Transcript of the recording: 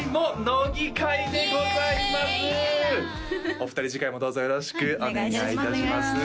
お二人次回もどうぞよろしくお願いいたします